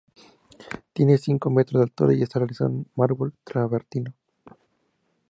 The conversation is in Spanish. Tiene cinco metros de altura, y está realizada en mármol travertino.